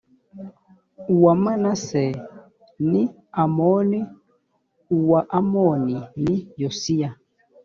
uwa manase ni amoni uwa amoni ni yosiya